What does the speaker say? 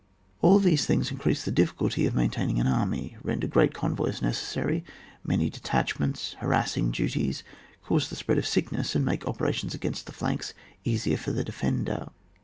All these things increase the difficulty of maintaining an army, render great convoys necessary, many detachments, harassing duties, cause the spread of sickness, and make operations against the flanks easier for the defender.